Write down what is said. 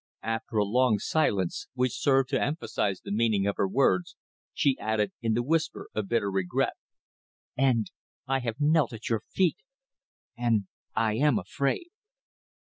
After a long silence, which served to emphasize the meaning of her words, she added in the whisper of bitter regret "And I have knelt at your feet! And I am afraid!"